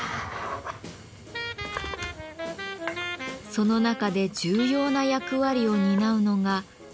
その中で重要な役割を担うのが「鞘師」です。